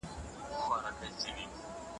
کندارۍ ملالې خدای ته پلو یوسه